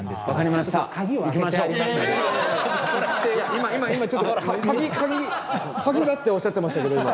今今今ちょっと「鍵が」っておっしゃってましたけど今。